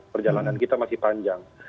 perjalanan kita masih panjang